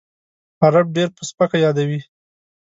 عرب ډېر په سپکه یادوي.